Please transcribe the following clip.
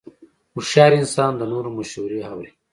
هوښیار انسان د نورو مشورې اوري.